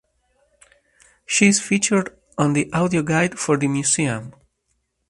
She is featured on the audio guide for the museum.